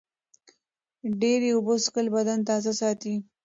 ډېرې اوبه څښل بدن تازه ساتي.